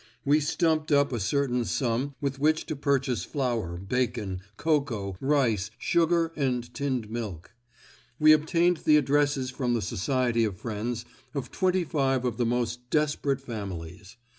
We each stumped up a certain sum with which to purchase flour, bacon, cocoa, rice, sugar and tinned milk. We obtained the addresses from the Society of Friends of twenty five of the most desperate families.